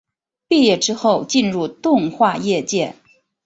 毕业之后进入动画业界。